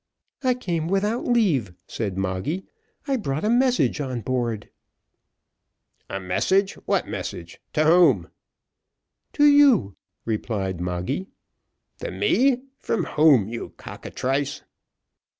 "I came without leave," said Moggy. "I brought a message on board." "A message! what message to whom?" "To you," replied Moggy. "To me from whom, you cockatrice?"